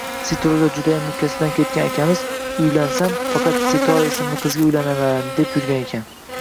Sitroga judayam mukkasidan ketgan akamiz, "Uylansam, faqat Sitora ismli qizga uylanaman!" deb yurgan ekan...